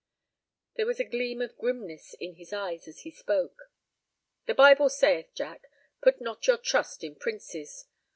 There was a gleam of grimness in his eyes as he spoke. "The Bible sayeth, Jack, 'Put not your trust in princes.